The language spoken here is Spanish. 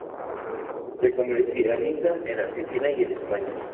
Se comercializan en Argentina y en España.